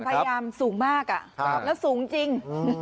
ความพยายามสูงมากสูงจริง